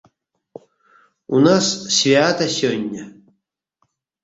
У нас свята сёння.